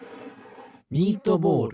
ミートボール。